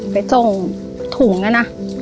ไปส่งถุงนะนะ